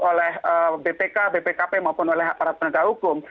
oleh bpk bpkp maupun oleh aparat penegak hukum